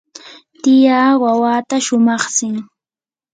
tiyaa wawata shumaqtsin.